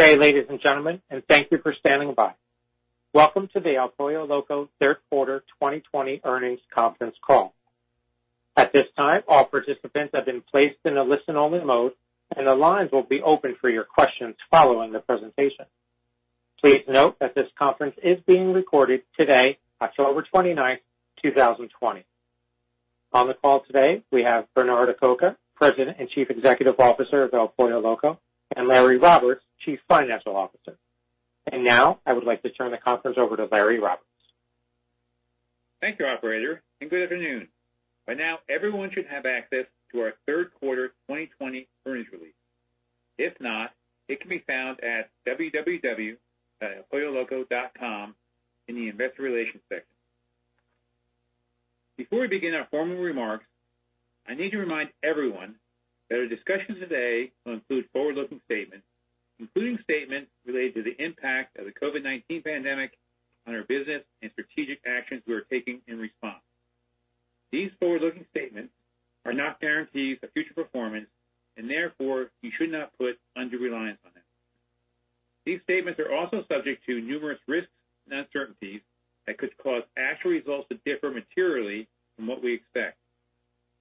Good day, ladies and gentlemen, and thank you for standing by. Welcome to the El Pollo Loco third quarter 2020 earnings conference call. At this time, all participants have been placed in a listen-only mode, and the lines will be open for your questions following the presentation. Please note that this conference is being recorded today, October 29th, 2020. On the call today, we have Bernard Acoca, President and Chief Executive Officer of El Pollo Loco, and Larry Roberts, Chief Financial Officer. Now I would like to turn the conference over to Larry Roberts. Thank you, Operator, and good afternoon. By now, everyone should have access to our third quarter 2020 earnings release. If not, it can be found at www.elpolloloco.com in the investor relations section. Before we begin our formal remarks, I need to remind everyone that our discussion today will include forward-looking statements, including statements related to the impact of the COVID-19 pandemic on our business and strategic actions we are taking in response. These forward-looking statements are not guarantees of future performance, and therefore, you should not put undue reliance on them. These statements are also subject to numerous risks and uncertainties that could cause actual results to differ materially from what we expect.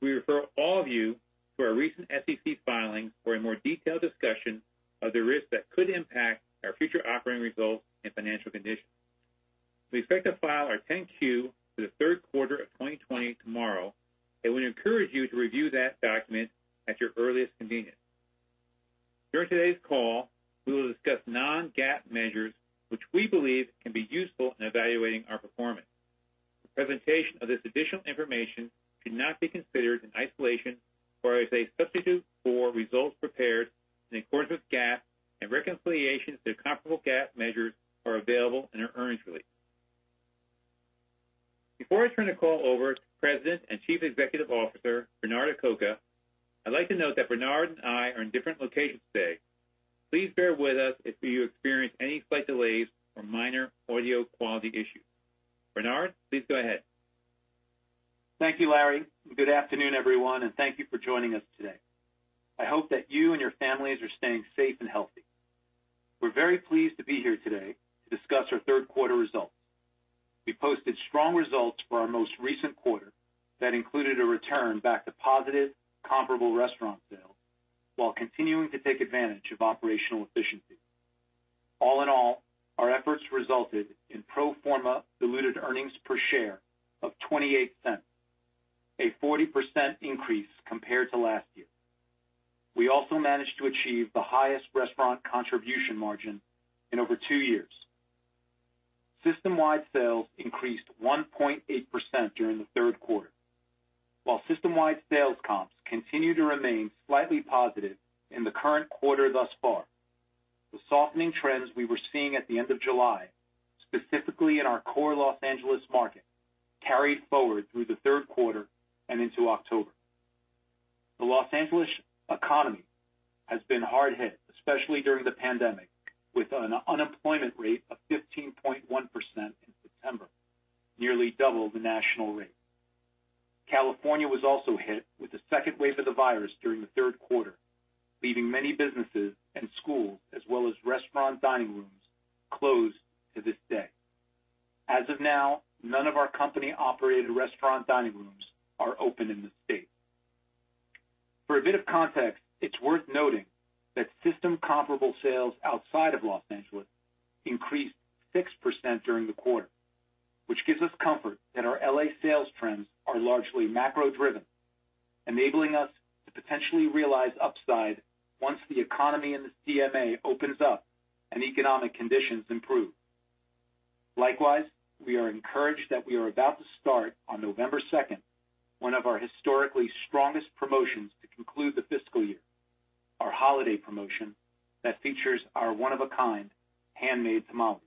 We refer all of you to our recent SEC filings for a more detailed discussion of the risks that could impact our future operating results and financial conditions. We expect to file our 10-Q for the third quarter of 2020 tomorrow, and we encourage you to review that document at your earliest convenience. During today's call, we will discuss non-GAAP measures which we believe can be useful in evaluating our performance. The presentation of this additional information should not be considered in isolation or as a substitute for results prepared in accordance with GAAP, and reconciliations to comparable GAAP measures are available in our earnings release. Before I turn the call over to President and Chief Executive Officer, Bernard Acoca, I'd like to note that Bernard and I are in different locations today. Please bear with us if you experience any slight delays or minor audio quality issues. Bernard, please go ahead. Thank you, Larry, and good afternoon, everyone, and thank you for joining us today. I hope that you and your families are staying safe and healthy. We're very pleased to be here today to discuss our third quarter results. We posted strong results for our most recent quarter that included a return back to positive comparable restaurant sales while continuing to take advantage of operational efficiencies. All in all, our efforts resulted in pro forma diluted earnings per share of $0.28, a 40% increase compared to last year. We also managed to achieve the highest restaurant contribution margin in over two years. System-wide sales increased 1.8% during the third quarter. While system-wide sales comps continue to remain slightly positive in the current quarter thus far, the softening trends we were seeing at the end of July, specifically in our core Los Angeles market, carried forward through the third quarter and into October. The Los Angeles economy has been hard hit, especially during the pandemic, with an unemployment rate of 15.1% in September, nearly double the national rate. California was also hit with a second wave of the virus during the third quarter, leaving many businesses and schools, as well as restaurant dining rooms, closed to this day. As of now, none of our company-operated restaurant dining rooms are open in the state. For a bit of context, it's worth noting that system comparable sales outside of Los Angeles increased 6% during the quarter, which gives us comfort that our L.A. sales trends are largely macro-driven, enabling us to potentially realize upside once the economy in the DMA opens up and economic conditions improve. Likewise, we are encouraged that we are about to start on November 2nd, one of our historically strongest promotions to conclude the fiscal year, our holiday promotion that features our one-of-a-kind handmade tamale.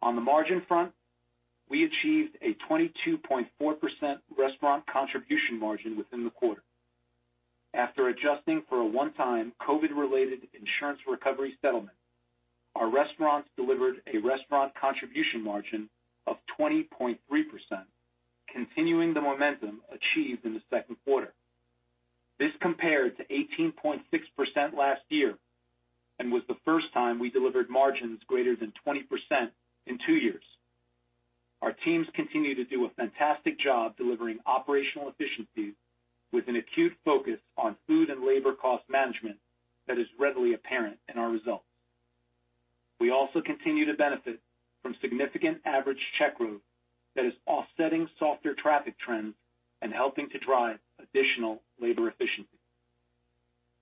On the margin front, we achieved a 22.4% restaurant contribution margin within the quarter. After adjusting for a one-time COVID-related insurance recovery settlement, our restaurants delivered a restaurant contribution margin of 20.3%, continuing the momentum achieved in the second quarter. This compared to 18.6% last year and was the first time we delivered margins greater than 20% in two years. Our teams continue to do a fantastic job delivering operational efficiencies with an acute focus on food and labor cost management that is readily apparent in our results. We also continue to benefit from significant average check growth that is offsetting softer traffic trends and helping to drive additional labor efficiencies.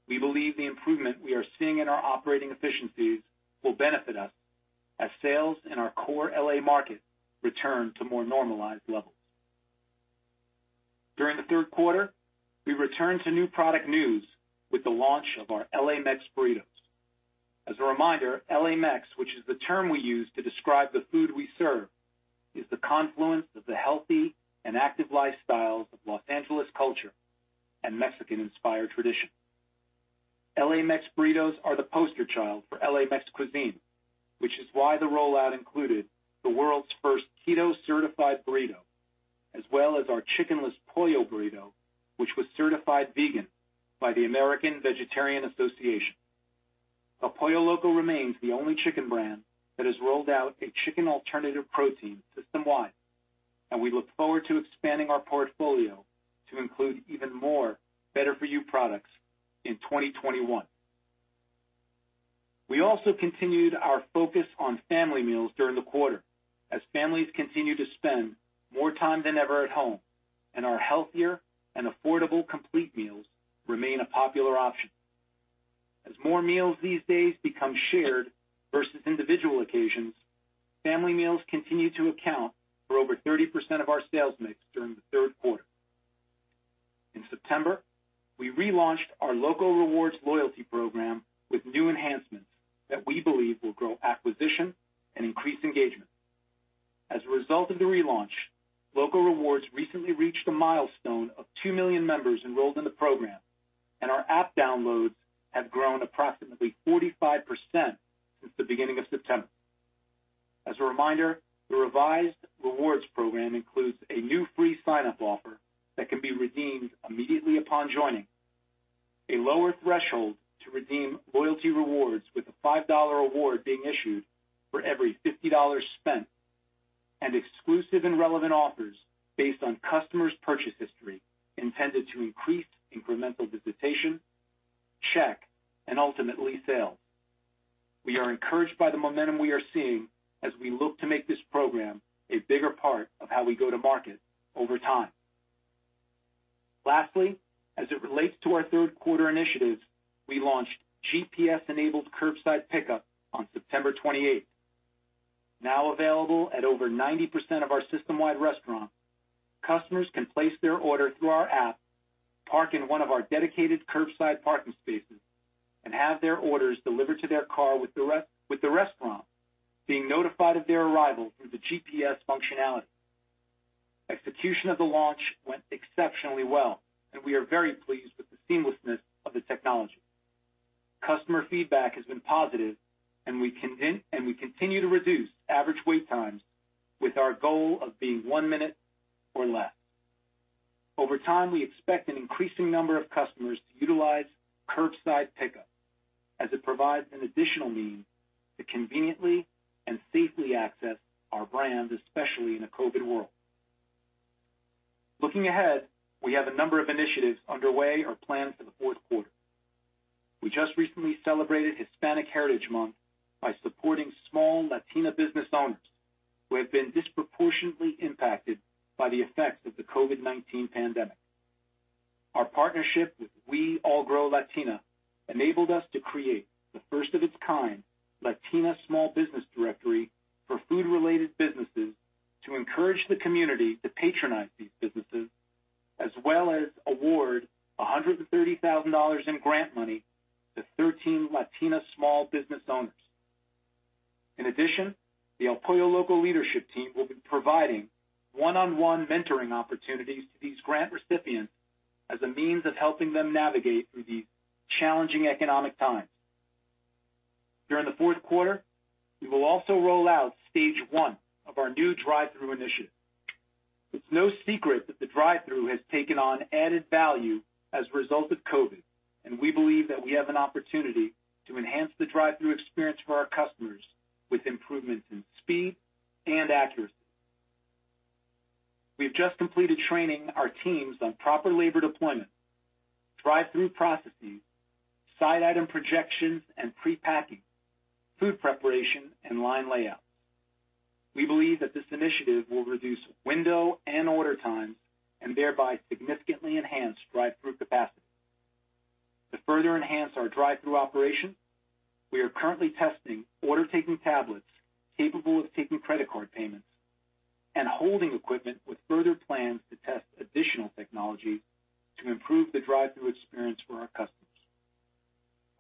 We believe the improvement we are seeing in our operating efficiencies will benefit us as sales in our core L.A. market return to more normalized levels. During the third quarter, we returned to new product news with the launch of our L.A. Mex Burritos. As a reminder, L.A. Mex, which is the term we use to describe the food we serve, is the confluence of the healthy and active lifestyles of Los Angeles culture and Mexican-inspired tradition. L.A. Mex Burritos are the poster child for L.A. Mex, which is why the rollout included the world's first keto-certified burrito. As well as our Chickenless Pollo Burrito, which was certified vegan by the American Vegetarian Association. El Pollo Loco remains the only chicken brand that has rolled out a chicken alternative protein system-wide, and we look forward to expanding our portfolio to include even more better for you products in 2021. We also continued our focus on family meals during the quarter as families continue to spend more time than ever at home, and our healthier and affordable complete meals remain a popular option. As more meals these days become shared versus individual occasions, family meals continue to account for over 30% of our sales mix during the third quarter. In September, we relaunched our Loco Rewards loyalty program with new enhancements that we believe will grow acquisition and increase engagement. As a result of the relaunch, Loco Rewards recently reached a milestone of 2 million members enrolled in the program, and our app downloads have grown approximately 45% since the beginning of September. As a reminder, the revised rewards program includes a new free sign-up offer that can be redeemed immediately upon joining, a lower threshold to redeem loyalty rewards with a $5 award being issued for every $50 spent, and exclusive and relevant offers based on customers' purchase history intended to increase incremental visitation, check, and ultimately sales. We are encouraged by the momentum we are seeing as we look to make this program a bigger part of how we go to market over time. Lastly, as it relates to our third quarter initiatives, we launched GPS-enabled curbside pickup on September 28th. Now available at over 90% of our system-wide restaurants, customers can place their order through our app, park in one of our dedicated curbside parking spaces, and have their orders delivered to their car with the restaurant being notified of their arrival through the GPS functionality. Execution of the launch went exceptionally well, and we are very pleased with the seamlessness of the technology. Customer feedback has been positive, and we continue to reduce average wait times with our goal of being one minute or less. Over time, we expect an increasing number of customers to utilize curbside pickup as it provides an additional means to conveniently and safely access our brand, especially in a COVID world. Looking ahead, we have a number of initiatives underway or planned for the fourth quarter. We just recently celebrated Hispanic Heritage Month by supporting small Latina business owners who have been disproportionately impacted by the effects of the COVID-19 pandemic. Our partnership with #WeAllGrow Latina enabled us to create the first of its kind Latina small business directory for food-related businesses to encourage the community to patronize these businesses, as well as award $130,000 in grant money to 13 Latina small business owners. In addition, the El Pollo Loco leadership team will be providing one-on-one mentoring opportunities to these grant recipients as a means of helping them navigate through these challenging economic times. During the fourth quarter, we will also roll out stage one of our new drive-thru initiative. It's no secret that the drive-thru has taken on added value as a result of COVID, and we believe that we have an opportunity to enhance the drive-thru experience for our customers with improvements in speed and accuracy. We have just completed training our teams on proper labor deployment, drive-thru processes, side item projections and pre-packing, food preparation, and line layouts. We believe that this initiative will reduce window and order times, and thereby significantly enhance drive-thru capacity. To further enhance our drive-thru operation, we are currently testing order-taking tablets capable of taking credit card payments and holding equipment with further plans to test additional technology to improve the drive-thru experience for our customers.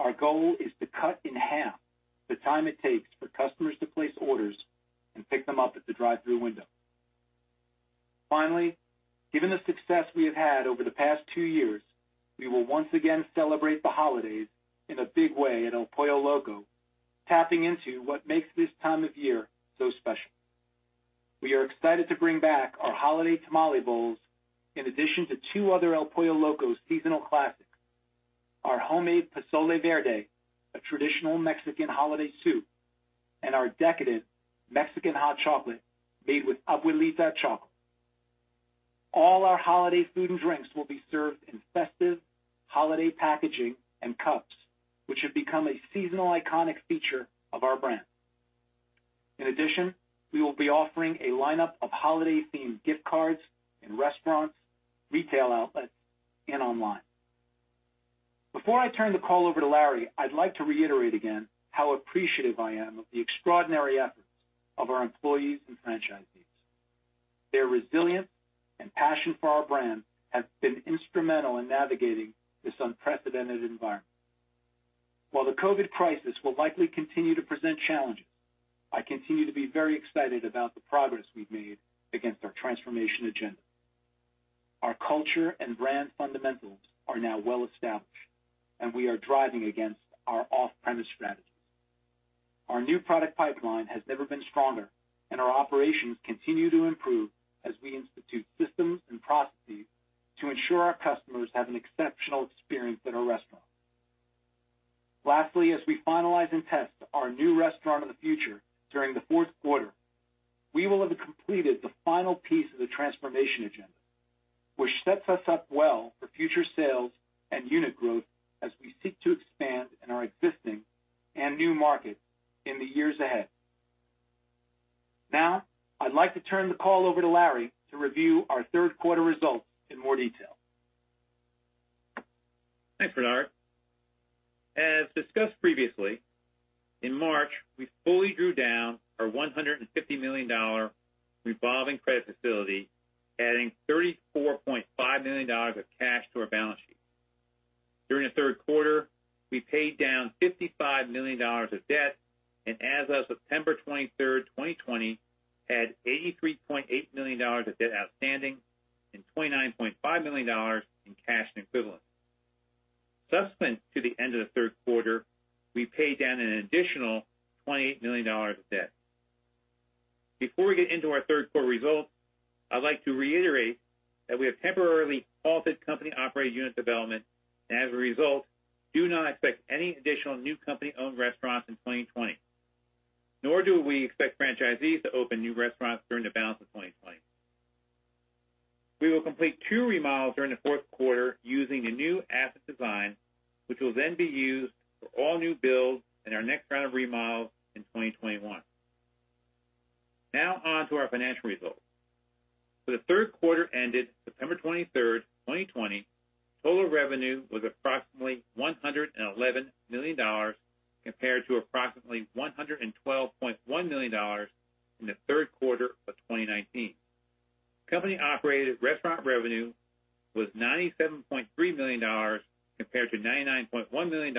Our goal is to cut in half the time it takes for customers to place orders and pick them up at the drive-thru window. Finally, given the success we have had over the past two years, we will once again celebrate the holidays in a big way at El Pollo Loco, tapping into what makes this time of year so special. We are excited to bring back our holiday tamale bowls in addition to two other El Pollo Loco seasonal classics, our homemade pozole verde, a traditional Mexican holiday soup, and our decadent Mexican hot chocolate made with ABUELITA chocolate. All our holiday food and drinks will be served in festive holiday packaging and cups, which have become a seasonal iconic feature of our brand. In addition, we will be offering a lineup of holiday-themed gift cards in restaurants, retail outlets, and online. Before I turn the call over to Larry, I'd like to reiterate again how appreciative I am of the extraordinary efforts of our employees and franchisees. Their resilience and passion for our brand has been instrumental in navigating this unprecedented environment. While the COVID crisis will likely continue to present challenges, I continue to be very excited about the progress we've made against our transformation agenda. Our culture and brand fundamentals are now well established, and we are driving against our off-premise strategy. Our new product pipeline has never been stronger, and our operations continue to improve as we institute systems and processes to ensure our customers have an exceptional experience in our restaurant. Lastly, as we finalize and test our new restaurant of the future during the fourth quarter, we will have completed the final piece of the transformation agenda, which sets us up well for future sales and unit growth as we seek to expand in our existing and new markets in the years ahead. I'd like to turn the call over to Larry to review our third quarter results in more detail. Thanks, Bernard. As discussed previously, in March, we fully drew down our $150 million revolving credit facility, adding $34.5 million of cash to our balance sheet. During the third quarter, we paid down $55 million of debt, and as of September 23rd, 2020, had $83.8 million of debt outstanding and $29.5 million in cash and equivalents. Subsequent to the end of the third quarter, we paid down an additional $28 million of debt. Before we get into our third quarter results, I'd like to reiterate that we have temporarily halted company-operated unit development, and as a result, do not expect any additional new company-owned restaurants in 2020. Nor do we expect franchisees to open new restaurants during the balance of 2020. We will complete two remodels during the fourth quarter using a new asset design, which will then be used for all new builds and our next round of remodels in 2021. Now on to our financial results. For the third quarter ended September 23rd, 2020, total revenue was approximately $111 million compared to approximately $112.1 million in the third quarter of 2019. Company-operated restaurant revenue was $97.3 million compared to $99.1 million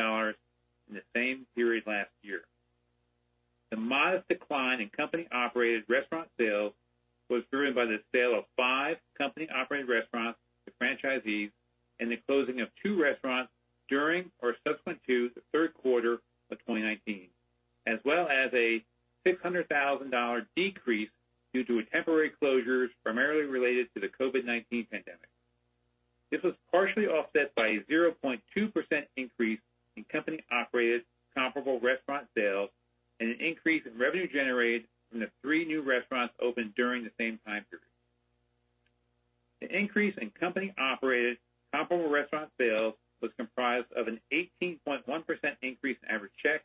in the same period last year. The modest decline in company-operated restaurant sales was driven by the sale of five company-operated restaurants to franchisees and the closing of two restaurants during or subsequent to the third quarter of 2019, as well as a $600,000 decrease due to temporary closures primarily related to the COVID-19 pandemic. This was partially offset by a 0.2% increase in company-operated comparable restaurant sales and an increase in revenue generated from the three new restaurants opened during the same time period. The increase in company-operated comparable restaurant sales was comprised of an 18.1% increase in average check,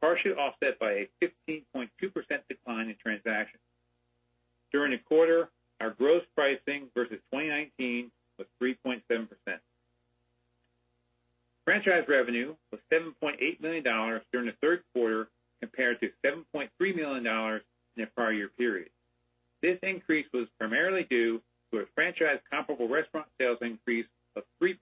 partially offset by a 15.2% decline in transactions. During the quarter, our gross pricing versus 2019 was 3.7%. Franchise revenue was $7.8 million during the third quarter compared to $7.3 million in the prior year period. This increase was primarily due to a franchise comparable restaurant sales increase of 3%,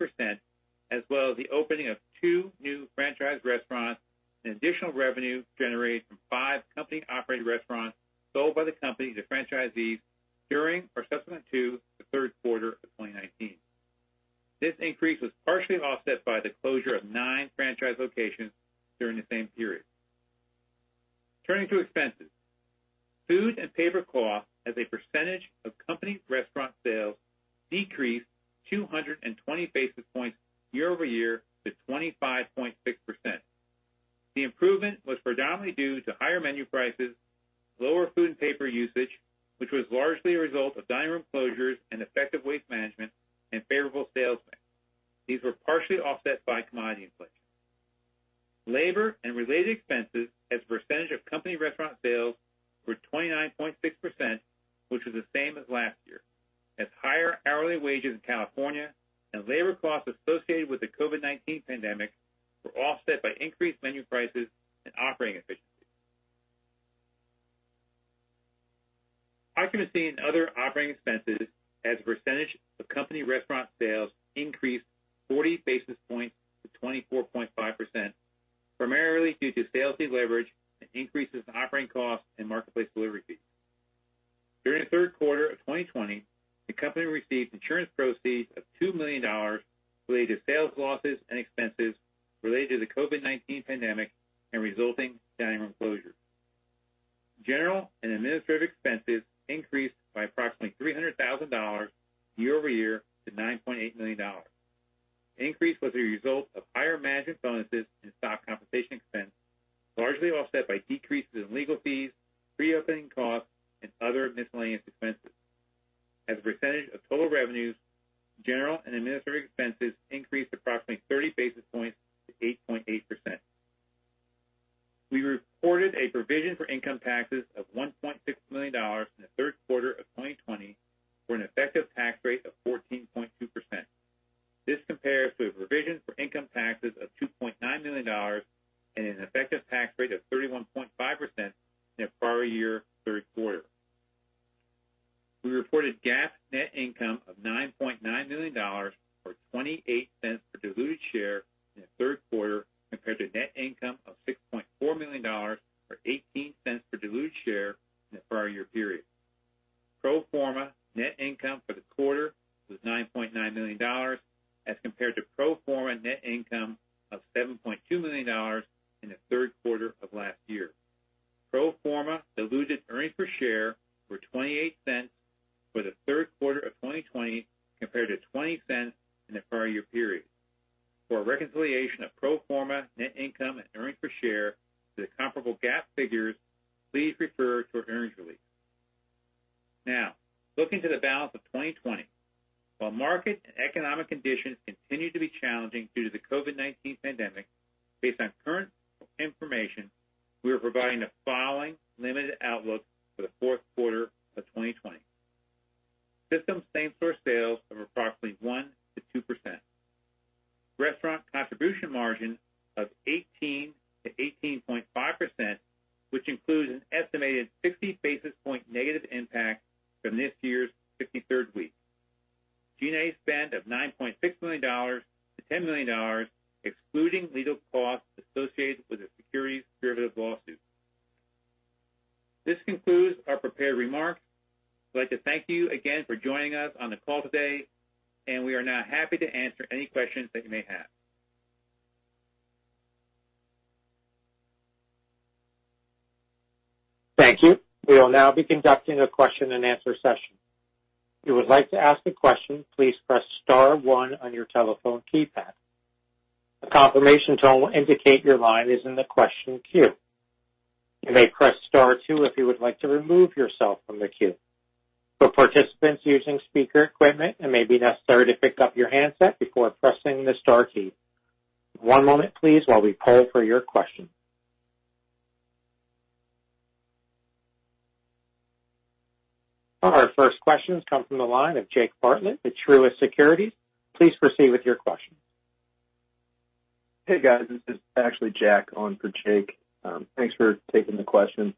as well as the opening of two new franchise restaurants and additional revenue generated from five company-operated restaurants sold by the company to franchisees during or subsequent to the third quarter of 2019. This increase was partially offset by the closure of nine franchise locations during the same period. Turning to expenses. Food and paper cost as a percentage of company restaurant sales decreased 220 basis points year-over-year to 25.6%. The improvement was predominantly due to higher menu prices, lower food and paper usage, which was largely a result of dining room closures and effective waste management, and favorable sales mix. These were partially offset by commodity inflation. Labor and related expenses as a percentage of company restaurant sales were 29.6%, which was the same as last year, as higher hourly wages in California and labor costs associated with the COVID-19 pandemic were offset by increased menu prices and operating efficiencies. Occupancy and other operating expenses as a percentage of company restaurant sales increased 40 basis points to 24.5%, primarily due to sales mix leverage and increases in operating costs and marketplace delivery fees. During the third quarter of 2020, the company received insurance proceeds of $2 million related to sales losses and expenses related to the COVID-19 pandemic and resulting dining room closures. General and administrative expenses increased by approximately $300,000 year-over-year to $9.8 million. The increase was a result of higher management bonuses and stock compensation expense, largely offset by decreases in legal fees, reopening costs, and other miscellaneous expenses. Hey, guys. This is actually Jack on for Jake. Thanks for taking the question.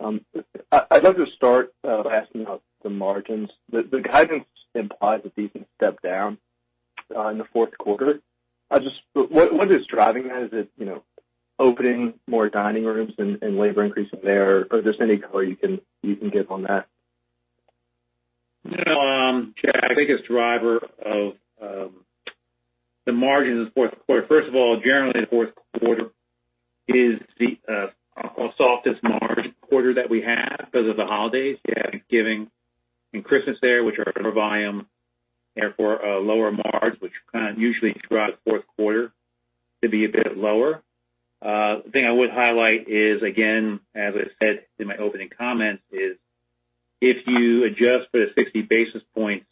I'd like to start by asking about the margins. The guidance implies a decent step down in the fourth quarter. What is driving that? Is it opening more dining rooms and labor increasing there? Just any color you can give on that? Jack, the biggest driver of the margins in the fourth quarter. Generally, the fourth quarter is the softest margin quarter that we have because of the holidays. You have Thanksgiving and Christmas there, which are lower volume, therefore lower margins, which kind of usually drives fourth quarter to be a bit lower. The thing I would highlight is, again, as I said in my opening comments is, if you adjust for the 60 basis points,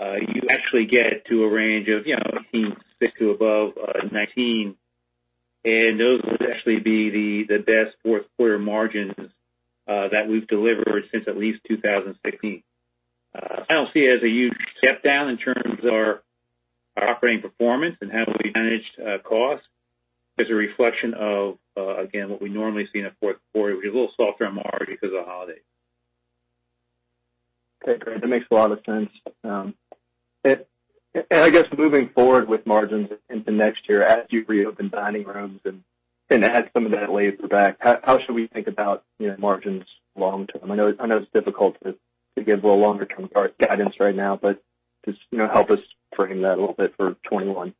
you actually get to a range of 16% to above 19%, those would actually be the best fourth quarter margins that we've delivered since at least 2016. I don't see it as a huge step down in terms of our operating performance and how we managed cost. As a reflection of, again, what we normally see in the fourth quarter, which is a little softer on the margin because of the holidays. Okay, great. That makes a lot of sense. I guess moving forward with margins into next year, as you reopen dining rooms and add some of that labor back, how should we think about margins long term? I know it's difficult to give longer term guidance right now, but just help us frame that a little bit for 2021.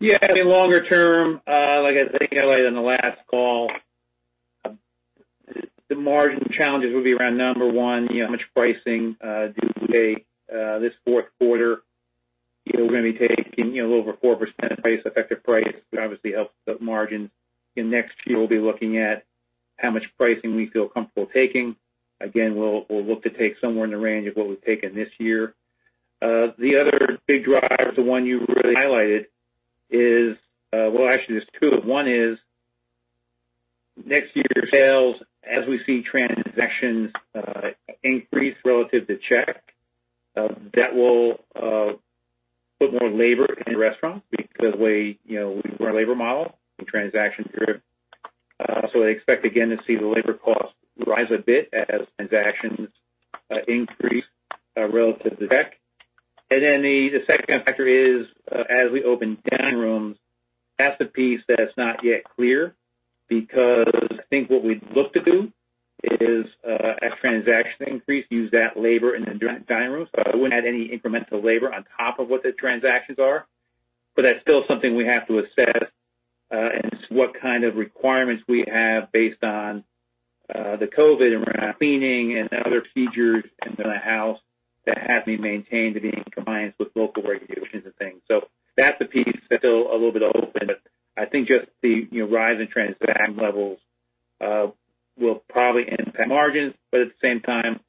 Yeah. Longer term, like I think I highlighted on the last call, the margin challenges will be around, number one, how much pricing do we take this fourth quarter? We're going to be taking a little over 4% base effective price, which obviously helps with margin. In next year, we'll be looking at how much pricing we feel comfortable taking. Again, we'll look to take somewhere in the range of what we've taken this year. The other big driver, the one you really highlighted is Well, actually, there's two of them. One is next year sales, as we see transactions increase relative to check, that will put more labor in the restaurant because of the way we do our labor model and transaction period. I expect again to see the labor cost rise a bit as transactions increase relative to check. The second factor is, as we open dining rooms, that's the piece that's not yet clear because I think what we'd look to do is, as transaction increase, use that labor in the dining room. I wouldn't add any incremental labor on top of what the transactions are. That's still something we have to assess and what kind of requirements we have based on the COVID and around cleaning and other procedures in the house that have to be maintained to be in compliance with local regulations and things. That's a piece that's still a little bit open. I think just the rise in transaction levels will probably impact margins, but at the same time,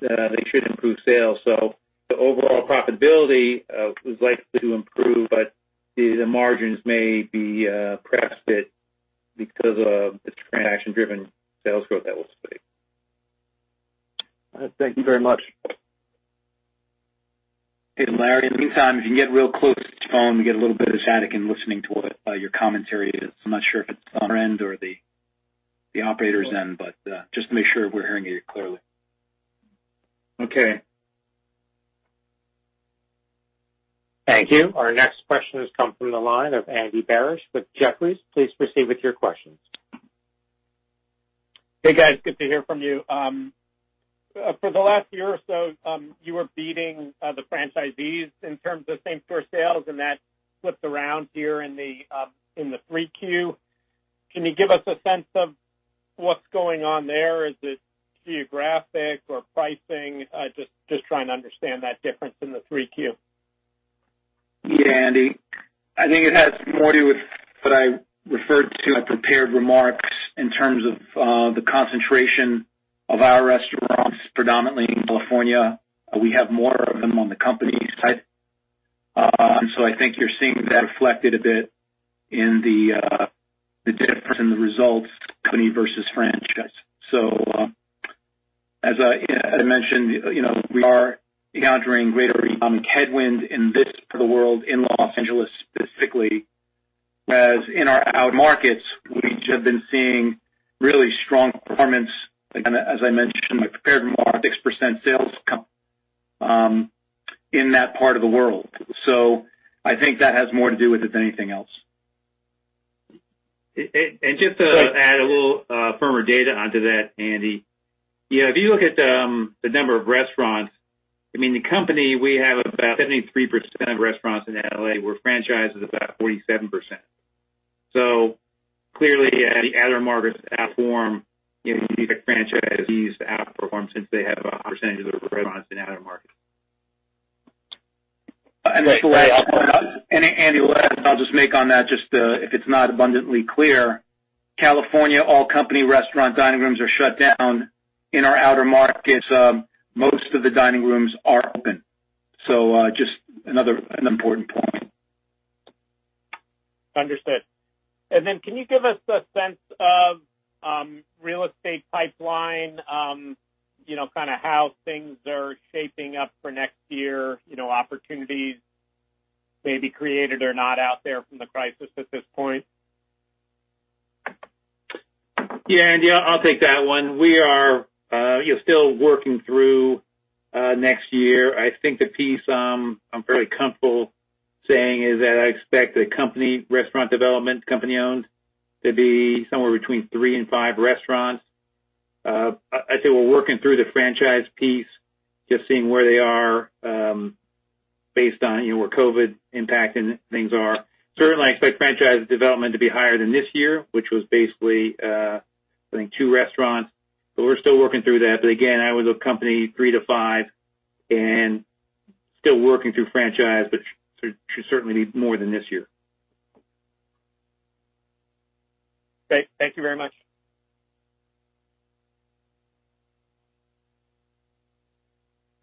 they should improve sales. The overall profitability is likely to improve, but the margins may be perhaps bit because of the transaction driven sales growth that we'll see. Thank you very much. Hey, Larry, in the meantime, if you can get real close to the phone, we get a little bit of static in listening to what your commentary is. I'm not sure if it's on our end or the operator's end, but just to make sure we're hearing you clearly. Okay. Thank you. Our next question has come from the line of Andy Barish with Jefferies. Please proceed with your questions. Hey, guys. Good to hear from you. For the last year or so, you were beating the franchisees in terms of same store sales, and that flipped around here in the 3Q. Can you give us a sense of what's going on there? Is it geographic or pricing? Just trying to understand that difference in the 3Q. Yeah, Andy. I think it has more to do with what I referred to in prepared remarks in terms of the concentration of our restaurants predominantly in California. We have more of them on the company side. I think you're seeing that reflected a bit in the difference in the results, company versus franchise. As I mentioned, we are encountering greater economic headwind in this part of the world, in Los Angeles specifically. Whereas in our out markets, we have been seeing really strong performance. Again, as I mentioned in my prepared remarks, 6% sales comp in that part of the world. I think that has more to do with it than anything else. Just to add a little firmer data onto that, Andy, If you look at the number of restaurants, the company, we have about 73% of restaurants in L.A. We're franchised is about 47%. Clearly, the outer markets outperform, even franchisees outperform since they have a percentage of their restaurants in outer markets. The last point, Andy, I'll just make on that, if it's not abundantly clear, California, all company restaurant dining rooms are shut down. In our outer markets, most of the dining rooms are open. Just another important point. Understood. Can you give us a sense of real estate pipeline, how things are shaping up for next year, opportunities maybe created or not out there from the crisis at this point? Yeah, Andy, I'll take that one. We are still working through next year. I think the piece I'm fairly comfortable saying is that I expect the company restaurant development, company-owned, to be somewhere between three and five restaurants. I'd say we're working through the franchise piece, just seeing where they are based on where COVID impact and things are. Certainly, I expect franchise development to be higher than this year, which was basically, I think two restaurants. We're still working through that. Again, I would look company three to five and still working through franchise, but should certainly be more than this year. Great. Thank you very much.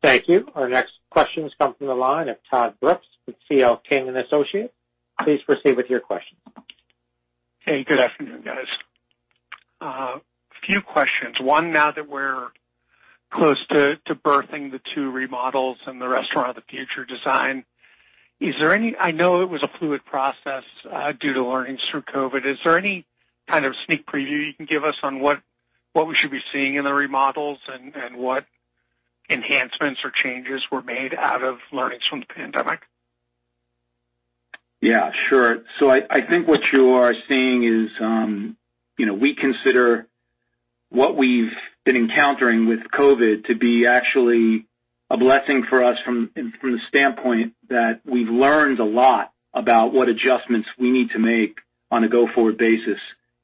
Thank you. Our next question comes from the line of Todd Brooks with C.L. King & Associates. Please proceed with your question. Hey, good afternoon, guys. A few questions. One, now that we're close to birthing the two remodels and the restaurant of the future design, I know it was a fluid process due to learnings through COVID. Is there any kind of sneak preview you can give us on what we should be seeing in the remodels and what enhancements or changes were made out of learnings from the pandemic? Yeah, sure. I think what you are seeing is, we consider what we've been encountering with COVID to be actually a blessing for us from the standpoint that we've learned a lot about what adjustments we need to make on a go-forward basis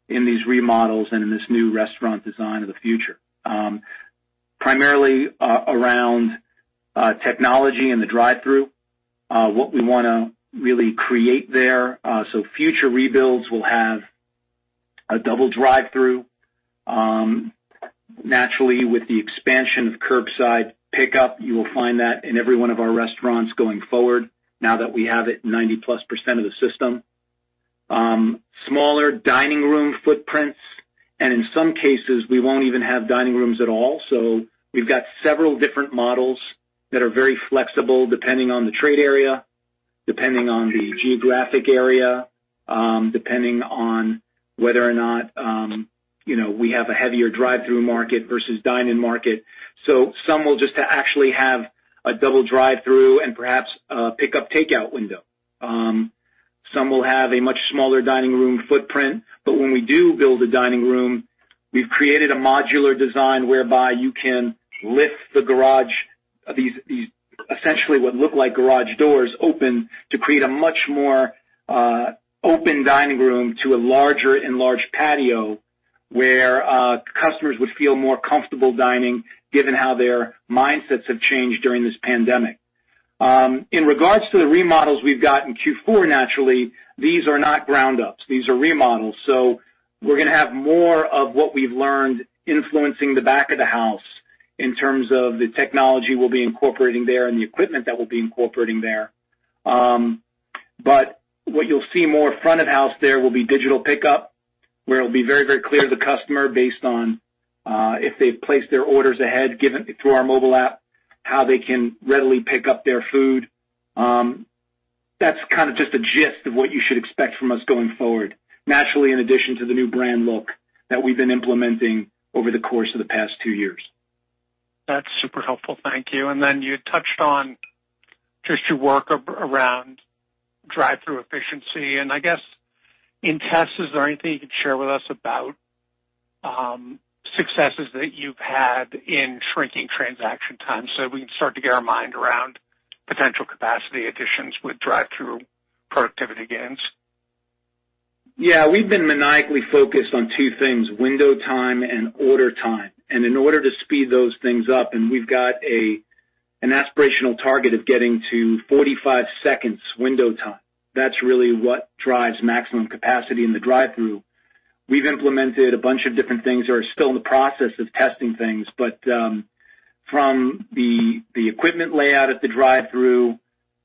in these remodels and in this new restaurant design of the future. Primarily, around technology and the drive-through, what we want to really create there. Future rebuilds will have a double drive-through. Naturally, with the expansion of curbside pickup, you will find that in every one of our restaurants going forward now that we have it 90+% of the system. Smaller dining room footprints, and in some cases, we won't even have dining rooms at all. We've got several different models that are very flexible depending on the trade area, depending on the geographic area, depending on whether or not we have a heavier drive-through market versus dine-in market. Some will just actually have a double drive-through and perhaps a pickup takeout window. Some will have a much smaller dining room footprint, but when we do build a dining room, we've created a modular design whereby you can lift these, essentially what look like garage doors, open to create a much more open dining room to a larger enlarged patio where customers would feel more comfortable dining given how their mindsets have changed during this pandemic. In regards to the remodels we've got in Q4, naturally, these are not ground ups. These are remodels. We're going to have more of what we've learned influencing the back of the house in terms of the technology we'll be incorporating there and the equipment that we'll be incorporating there. What you'll see more front of house there will be digital pickup, where it'll be very, very clear to the customer based on if they've placed their orders ahead through our mobile app, how they can readily pick up their food. That's kind of just a gist of what you should expect from us going forward, naturally, in addition to the new brand look that we've been implementing over the course of the past two years. That's super helpful. Thank you. Then you touched on just your work around drive-thru efficiency. I guess in tests, is there anything you can share with us about successes that you've had in shrinking transaction time so we can start to get our mind around potential capacity additions with drive-thru productivity gains? Yeah. We've been maniacally focused on two things, window time and order time. In order to speed those things up, we've got an aspirational target of getting to 45 seconds window time. That's really what drives maximum capacity in the drive-thru. We've implemented a bunch of different things. Are still in the process of testing things, but from the equipment layout at the drive-thru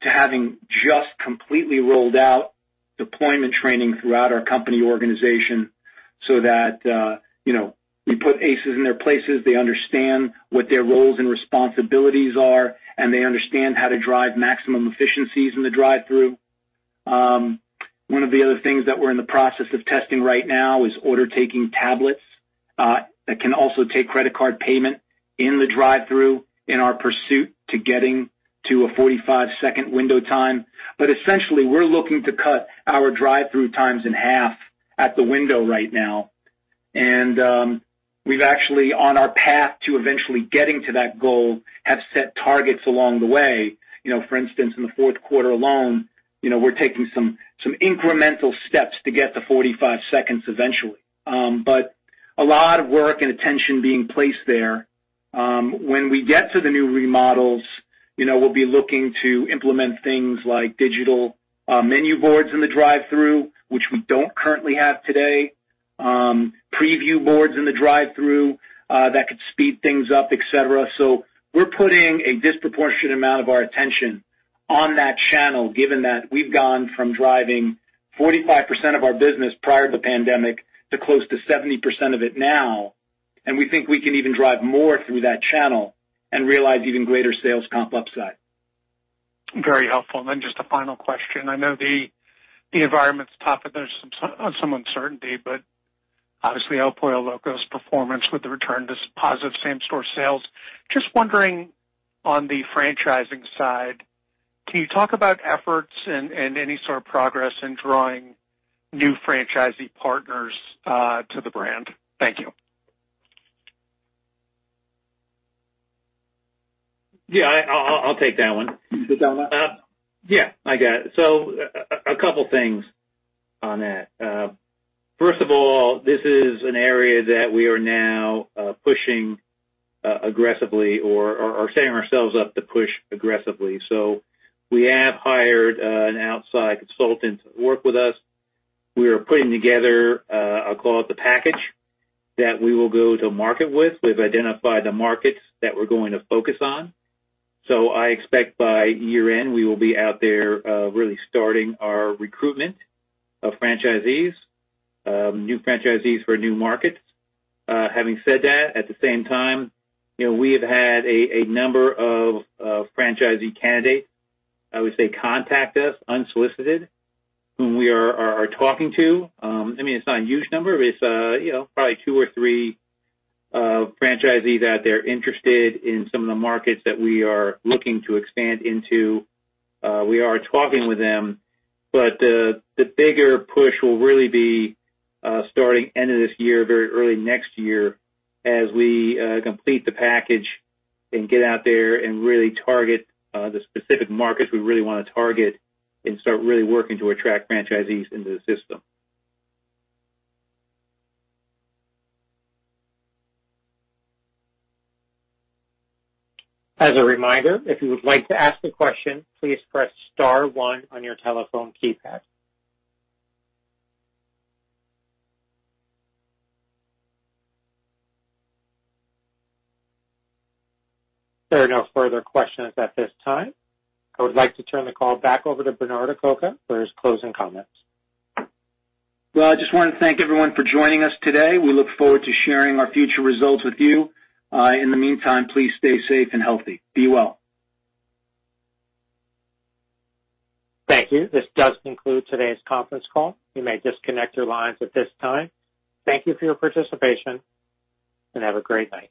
to having just completely rolled out deployment training throughout our company organization so that we put aces in their places. They understand what their roles and responsibilities are, and they understand how to drive maximum efficiencies in the drive-thru. One of the other things that we're in the process of testing right now is order-taking tablets, that can also take credit card payment in the drive-thru in our pursuit to getting to a 45-second window time. Essentially, we're looking to cut our drive-thru times in half at the window right now. We've actually, on our path to eventually getting to that goal, have set targets along the way. For instance, in the fourth quarter alone, we're taking some incremental steps to get to 45 seconds eventually. A lot of work and attention being placed there. When we get to the new remodels, we'll be looking to implement things like digital menu boards in the drive-thru, which we don't currently have today. Preview boards in the drive-thru, that could speed things up, et cetera. We're putting a disproportionate amount of our attention on that channel, given that we've gone from driving 45% of our business prior to the pandemic to close to 70% of it now. We think we can even drive more through that channel and realize even greater sales comp upside. Very helpful. Then just a final question. I know the environment's tough and there's some uncertainty, but obviously El Pollo Loco's performance with the return to positive same-store sales. Just wondering, on the franchising side, can you talk about efforts and any sort of progress in drawing new franchisee partners to the brand? Thank you. Yeah. I'll take that one. You good on that? Yeah. I got it. A couple things on that. First of all, this is an area that we are now pushing aggressively or are setting ourselves up to push aggressively. We have hired an outside consultant to work with us. We are putting together, I'll call it the package, that we will go to market with. We've identified the markets that we're going to focus on. I expect by year-end, we will be out there really starting our recruitment of franchisees, new franchisees for new markets. Having said that, at the same time, we have had a number of franchisee candidates, I would say, contact us unsolicited, whom we are talking to. It's not a huge number. It's probably two or three franchisees that they're interested in some of the markets that we are looking to expand into. We are talking with them, but the bigger push will really be, starting end of this year, very early next year, as we complete the package and get out there and really target the specific markets we really want to target and start really working to attract franchisees into the system. As a reminder, if you would like to ask a question, please press star one on your telephone keypad. There are no further questions at this time. I would like to turn the call back over to Bernard Acoca for his closing comments. I just want to thank everyone for joining us today. We look forward to sharing our future results with you. In the meantime, please stay safe and healthy. Be well. Thank you. This does conclude today's conference call. You may disconnect your lines at this time. Thank you for your participation, and have a great night.